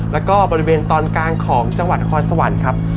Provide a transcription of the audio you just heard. และก็บริเวณตอนกลางของจังหวัดคลอนสะวันครับ